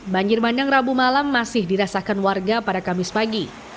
banjir bandang rabu malam masih dirasakan warga pada kamis pagi